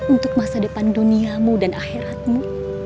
untuk masa depan duniamu dan akhiratmu